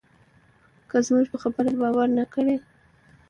که زموږ په خبره باور نه کړې.